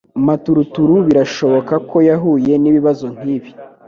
Maturuturu birashoboka ko yahuye nibibazo nkibi.